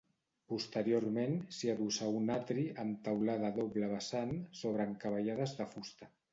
Posteriorment s'hi adossà un atri amb teulada a doble vessant sobre encavallades de fusta.